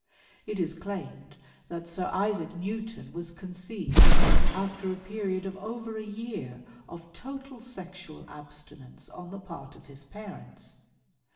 It is claimed that Sir Isaac Newton was conceived after a period of over a year of total sexual abstinence on the part of his parents.